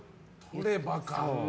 取れば？か。